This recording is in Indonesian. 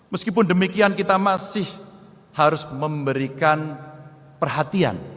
meskipun demikian kita masih harus memberikan perhatian